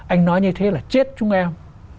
anh nói như thế là chết chúng em